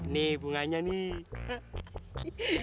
nih bunganya nih